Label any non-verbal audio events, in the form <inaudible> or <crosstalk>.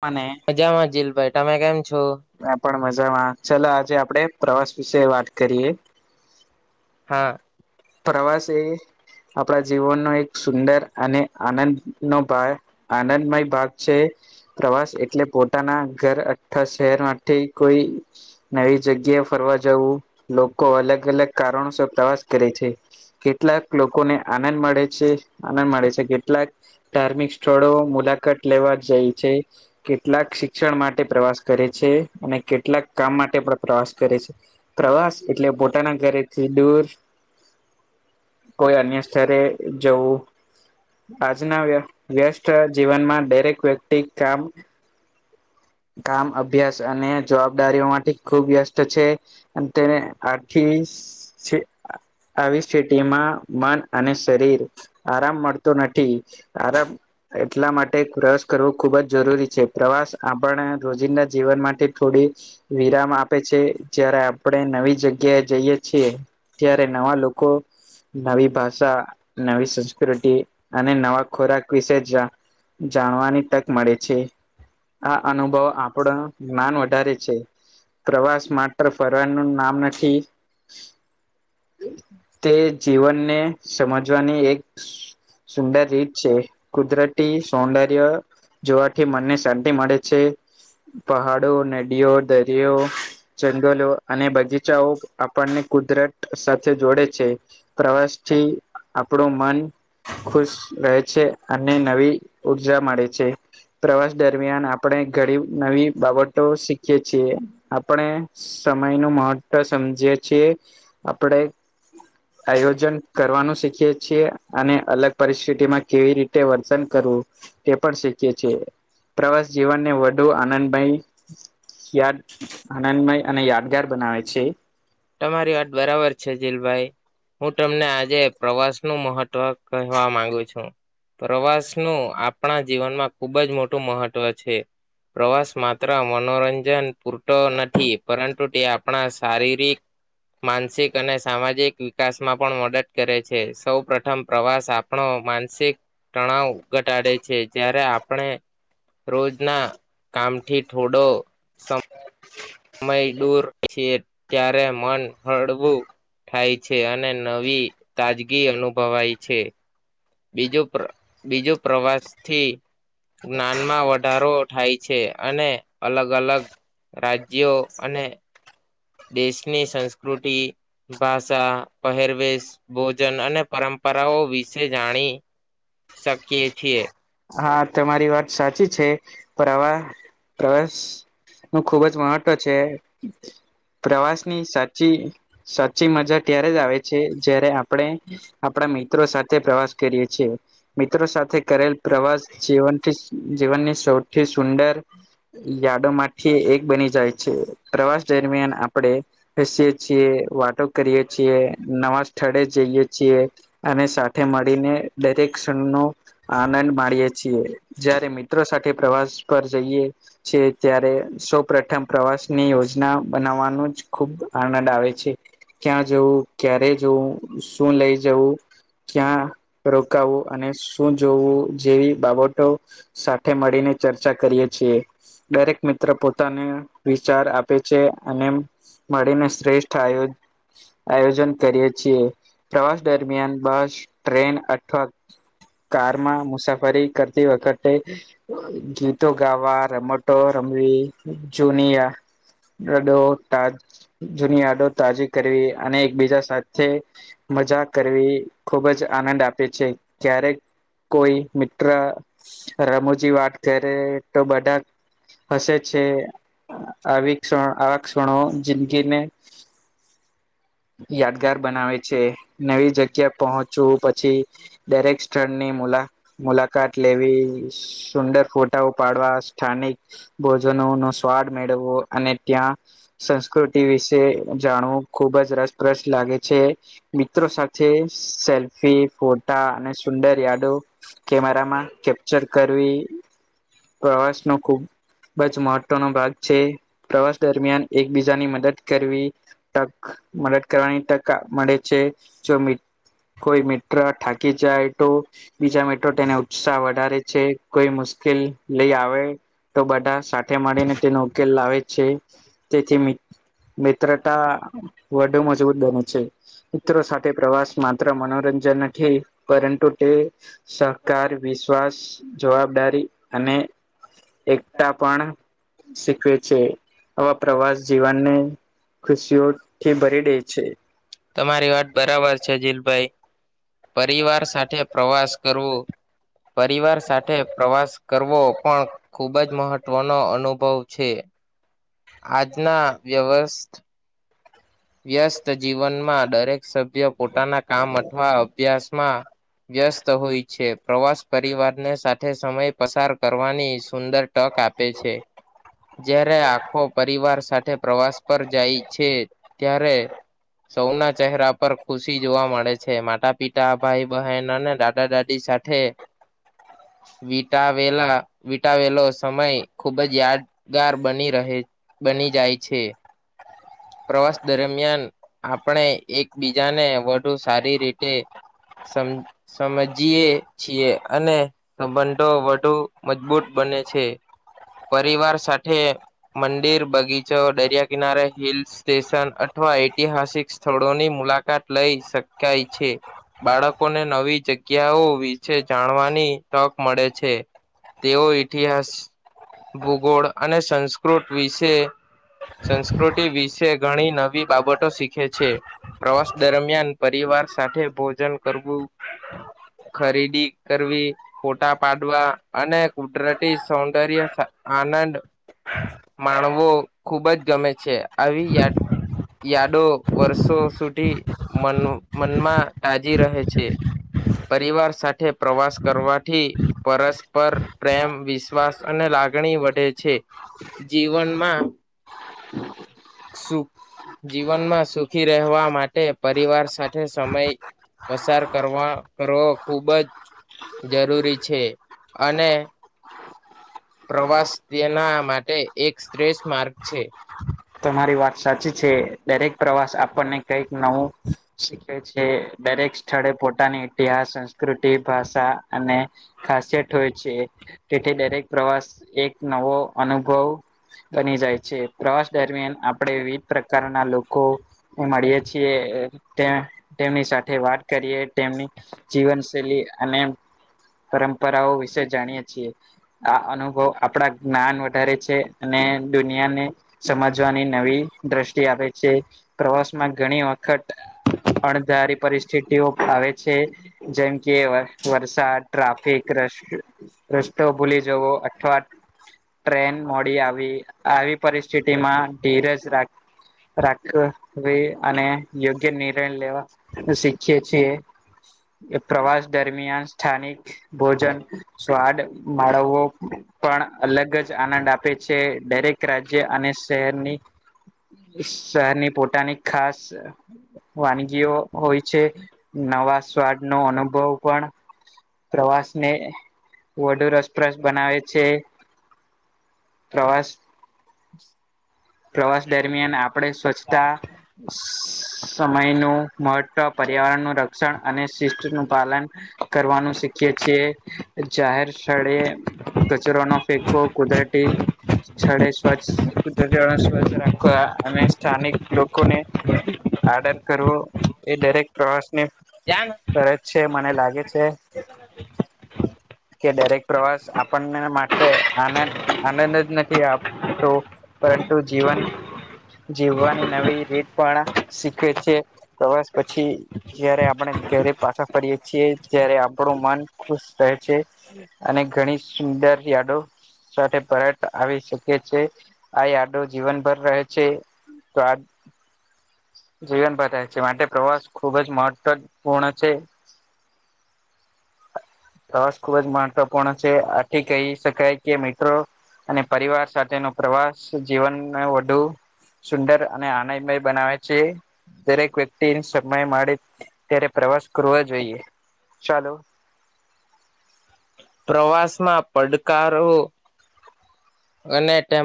અને મજામાં જિલભાઈ તમે કેમ છો આ પણ મજામાં ચાલ આજે આપડે પ્રવાસ વિશે વાત કરીએે હા પ્રવાસે એ આપણા જીવનનો એક સુંદર અને આનંદ નો ભા આનંદમય ભાગ છે પ્રવાસ એટલે પોતાના ઘર <unintelligible> કોઈ નવી જગ્યાએ ફરવા જવું લોકો અલગ અલગ કારણોસર પ્રવાસ કરે છે કેટલાક લોકોને આનંદ મળે છે આનંદ મળે છે કેટલાક ધાર્મિક સ્થળો મુલાકાત લેવા જાય છે કેટલાક શિક્ષણ માટે પ્રવાસ કરે છે અને કેટલાક કામ માટે પણ પ્રવાસ કરે છે પ્રવાસ એટલે પોતાના ઘરેથી દૂર કોઈ અન્ય સ્થળે જવું આજના વ્ય વ્યસ્ત જીવનમાં દરેક વ્યક્તિ કામ કામ અભ્યાસ અને જવાબદારીઓ માટેથી ખુબ વ્યસ્ત છે અને તેને આખીસ છે આવી સ્થિતિમાં મન અને શરીર આરામ મળ તો નથી તારા એટલા માટે પ્રયાસ કરવો ખુબ જ જરૂરી છે પ્રવાસ આપણ રોજિંદા જીવન માટે થોડી વિરામ આપે છે જયારે આપણે નવી જગ્યાએ જઈએ છીએ ત્યારે નવા લોકો નવી ભાષા નવી સંસ્કૃતિ અને નવા ખોરાક વિશે જાણ જાણવાની તક મળે છે આ અનુભવ આપણો જ્ઞાન વધારે છે પ્રવાસ માત્ર ફરવા નું નામ નથી તે જીવનને સમજવાની એક સુંદર રીત છે કુદરતી સૌંદર્ય જોવાથી મન ને શાંતિ મળે છે પહાડો નદીઓ દરિયો જંગલો અને બગીચાઓ આપણને કુદરત સાથે જોડે છે પ્રવાસથી આપણું મન ખુશ રહે છે અને નવી ઉર્જા મળે છે પ્રવાસ દ દરમિયાન આપણે ઘણી નવી બાબતો શીખ છીએ આપણે સમય નું મહત્વ સમજીએ છીએ આપડે આયોજન કરવાનું શીખએ છીએ અને અલગ પરિસ્થિતિમાં કેવી રીતે વર્તન કરવું તે પણ શીખએ છીએ પ્રવાસ જીવનને વધુ આનંદમય ક્યાંક આનંદમય અને યાદગાર બનાવે છે તમારી વાત બરાબર છે જિલભાઈ હું તમને આજે પ્રવાસ નું મહત્વ કહેવા માંગુ છું પ્રવાસનું આપણા જીવનમાં ખુબ જ મોટું મહત્ત્વ છે પ્રવાસ માત્ર મનોરંજન પૂરતો નથી પરંતુ તે આપણા શારીરિક માનસિક અને સામાજિક વિકાસમાં પણ મદદ કરે છે સૌ પ્રથમ પ્રવાસ આપ આપણો માનસિક તણાવ ઘટાડે છે જ્યારે આપણે રોજ ના કામ થી થોડો સમય દૂર છી ત્યારે મન હળવું થાય છે અને નવી તાજગી અનુભવાય છે બીજો પ્ર બીજો પ્રવાસથી જ્ઞાન માં વધારો થાય છે અને અલગ અલગ રાજ્યો અને દેશની સંસ્કૃતિ ભાષા પહેરવેશ ભોજન અને પરંપરાઓ વિશે જાણી શકીએ છીએ. હા તમારી વાત સાચી છે પર આવા પ્રવાસ હ ખુબજ મહત્વ છે. પ્રવાસની સાચી સાચી મજા ત્યારે જ આવે છે જ્યારે આપણે આપણા મિત્રો સાથે પ્રવાસ કરીએ છીએ મિત્રો સાથે કરેલ પ્રવાસ જીવનથી જીવનની સૌથી સુંદર યાદો માંથી એક બની જાય છે પ્રવાસ દરમિયાન આપણેે હસીએ છીએ વાતો કરીએ છીએ નવા સ્થળે જઈએ છીએ અને સાથે મળીને દરેક ક્ષણ નો આનંદ એ છીએ જયારે મિત્રો સાથે પ્રવાસ પર જઈએ છે ત્યારે સૌ પ્રથમ પ્રવાસ ની યોજના બનાવવાનું જ ખુબ આનંદ આવે છે ક્યાં જવું ક્યારે જવું શું લઈ જવું ક્યાં રોકાવું અને શું જોવું જેવી બાબતો સાથે મળીને ચર્ચા કરીએ છીએ દરેક મિત્ર પોતાને વિચાર આપે છે અને મળીને શ્રેષ્ઠ આ આયોજન કરીએ છીએ પ્રવાસ દરમિયાન બસ ટ્રેન અથવા કારમાં મુસાફરી કરતી વખતે ગીતો ગાવા રમટો રમવી જુનિ આ દતો <unintelligible> જુની આડો તાજી કરવી અને એકબીજા સાથે મજા કરવી. ખૂબ જ આનંદ આપે છે ક્યારેક કોઈ મિ ત્ર રમુજી વાટ કરે તો બધા હસે છે આવી ક્ષણ આવા ક્ષણો જિંદગીને યાદગાર બનાવે છે નવી જગ્યા પહોંચવું પછી દરેક સ્થળની મુલા મુલાકાત લેવી સુંદર ફોટાઓ પાડવા સ્થાનિક ભોજનો નો સ્વાદ મેળવવો અને ત્યાં સંસ્કૃતિ વિશે જાણવું ખુબ જ રસ પ્રસ લાગે છે. મિત્રો સાથે સેલ્ફી ફોટા અને સુંદર યાડો કેમેરામાં કેપ્ચર કરવી પ્રવાસ નો ખૂબ જ મહત્વનો ભાગ છે પ્રવાસ દરમિયાન એકબીજાની મદદ કરવી તક મદદ કરવાની તક મળે છે જો કોઈ મિત્ર થાકી જાય તો બીજા મિત્ર તેને ઉત્સાહ વધારે છે કોઈ મુશ્કેલ લઈ આવે તો બધા સાથે મળીને તેનો ઉકેલ લાવે છે તેથી મિત્રતા વધુ મજબૂત બને છે મિત્રો સાથે પ્રવાસ માત્ર મનોરંજનથી પરંતુ તે સહકાર વિશ્વાસ જવાબદારી અને એકતા પણ શીખવે છે આવા પ્રવાસ જીવનને ખુશીઓથી ભરી દે છે. તમારી વાત બરાબર છે જિલભાઈ. પરિવાર સાથે પ્રવાસ કરવો પરિવાર સાથે પ્રવાસ કરવો પણ ખુબ જ મહત્વનો અનુભવ છે. આજના વ્યવસ્થ વ્યસ્ત જીવનમાં દરેક સભ્ય પોતાના કામ અથવા અભ્યાસમાં વ્યસ્ત હોય છે પ્રવાસ પરિવારને સાથે સમય પસાર કરવાની સુંદર તક આપે છે જ્યારે આખો પરિવાર સાથે પ્રવાસ પર જાય છે ત્યારે. સૌના ચહેરા પર ખુશી જોવા મળે છે- માતા પિતા, ભાઈ- બહેન અને દાદા-દાદી. એ સાથે. <unintelligible> વીટાવેલા, વીટાવેલા સમય ખુબ જ યાદ ગાર બની રહે, બની જાય છે. પ્રવાસ દરમિયાન આપણે એકબીજાને વધુ સારી રીતે સમજીએ છીએ અને સંબંધ તો વધુ મજબૂત બને છે. પરિવાર સાથે મંદિર, બગીચો, દરિયા-કિનારે, હિલ્સ સ્ટેશન અથવા ઐતિહાસિક સ્થળોની મુલાકાત લઈ શકાય છે. બાળકોને નવી જગ્યાઓ વિશે જાણવાની તક મળે છે. તેઓ ઇતિહાસ ભૂગોળ અને સંસ્કૃત વિશે સંસ્કૃતિ વિશે ઘણી નવી બાબતો શીખે છે. પ્રવાસ દરમિયાન પરિવાર સાથે ભોજન કરવું. ખરીદી કરવી. ફોટા પાડવા અને કુદરતી સૌંદર્ય આનંદ માણવો ખુબ જ ગમે છે આવી યાદ. યાદો વર્ષો સુધી મન મનમાં તાજી રહે છે. પરિવાર સાથે પ્રવાસ કરવાથી પરસ્પર પ્રેમ, વિશ્વાસ અને લાગણી વધે છે. જીવનમાં સુખ જીવનમાં સુખી રહેવા માટે પરિવાર સાથે સમય પસાર કરવા કરવો ખુબ જ જરૂરી છે અને પ્રવાસ તેના માટે એક શ્રેષ્ઠ માર્ગ છે. તમારી વાત સાચી છે, દરેક પ્રવાસ આપણને કંઈક નવું શીખે છે, દરેક સ્થળે પોતાની ઇતિહાસ સંસ્કૃતિ ભાષા અને ખાસિયત હોય છે. તેથી દરેક પ્રવાસ એક નવો અનુભવ બની જાય છે. પ્રવાસ દરમિયાન આપણે વિવિધ પ્રકારના લોકો મળીએ છીએ. તેમની સાથે વાત કરીએ, તેમની જીવનશૈલી અને પરંપરાઓ વિશે જાણીએ છીએ. આ અનુભવ આપણા જ્ઞાન વધારે છે અને દુનિયાને સમજવાની નવી દ્રષ્ટિ આપે છે. પ્રવાસ માં ઘણી વખત અણધારી પરિસ્થિતિઓ આવે છે. જેમ કે વરસાદ, ટ્રાફિક રસ્તો ભૂલી જવો અથવા ટ્રેન મોડી આવી- આવી પરિસ્થિતિ સિટી માં ધીરજ રાખે. રાખવી અને યોગ્ય નિર્ણય લેવા. શીખીએ છીએ, પ્રવાસ દરમિયાન સ્થાનિક ભોજન સ્વાદ માળવવો પણ અલગ જ આનંદ આપે છે, દરેક રાજ્ય જે અને શહેરની શહેરની પોતાની ખાસ વાનગીઓ હોય છે. નવા સ્વાદનો અનુભવ પણ પ્રવાસને વધુ રસપ્રસ બનાવે છે. પ્રવાસ પ્રવાસ દરમિયાન આપણે સ્વચ્છતા સમયનું મહત્વ, પર્યાવરણનું રક્ષણ અને શિસ્તનું પાલન. કરવાનું શીખીએ છીએ, જાહેર સ્થળે કચરો નો ફેકો, કુદરતી સ્થળે સ્વચ્છ સ્વરછ રાખવા અને સ્થાનિક લોકોને. આડર કરવું એ દરેક પ્રવાસને. જવાનો. સરજ છે મને લાગે છે. કે દરેક પ્રવાસ આપણને માટે આનંદ આનંદ જ નથી આપતો. પરંતુ જીવન જીવવાની નવી રીત પણ શીખે છે પ્રવાસ પછી જયારે આપણે ઘરે પાછા ફરીએ છીએ ત્યારે આપણું મન ખુશ રહે છે. અને ઘણી સુંદર યાદો સાથે પરત આવી શકે છે. આ યાદો જીવનભર રહે છે. તો આ જીવન બતારે છે માટે પ્રવાસ ખુબ જ મહત્વપૂર્ણ છે. પ્રવાસ ખુબ જ મહત્વપૂર્ણ છે આથી કહી શકાય કે મેટ્રો અને પરિવાર સાથેનો પ્રવાસ જીવનમાં વધુ. સુંદર અને આનંદમય બનાવે છે દરેક વ્યક્તિ સમય મળે ત્યારે પ્રવાસ કરવા જોઈએ ચાલો. પ્રવાસમાં પડકારો અને ટેમ